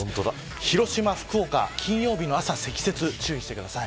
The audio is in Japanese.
広島、福岡、金曜日の朝積雪に注意してください。